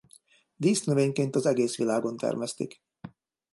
Dísznövényként az egész világon termesztik.